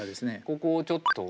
ここをちょっと。